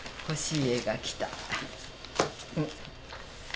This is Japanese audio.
欲しい絵が来た。